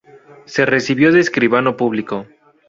Se recibió de escribano público.